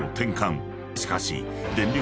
［しかし］